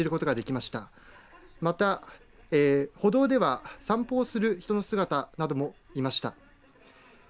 また、歩道では散歩する人の姿なども見ました。